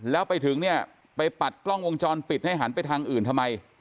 แล้วไปถึงเนี่ยไปปัดกล้องวงจรปิดให้หันไปทางอื่นทำไม